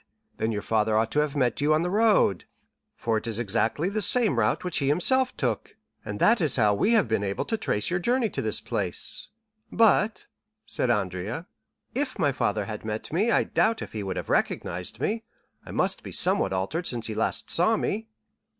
Then your father ought to have met with you on the road, for it is exactly the same route which he himself took, and that is how we have been able to trace your journey to this place." "But," said Andrea, "if my father had met me, I doubt if he would have recognized me; I must be somewhat altered since he last saw me."